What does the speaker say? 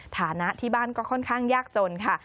ฐานะที่บ้านก็ค่อนข้างยากจนค่ะ